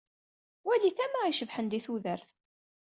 Wali tama icebḥen di tudert.